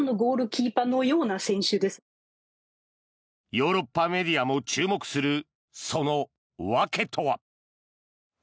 ヨーロッパメディアも注目するその訳とは。